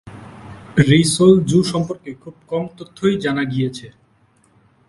রি সোল জু সম্পর্কে খুব কম তথ্যই জানা গিয়েছে।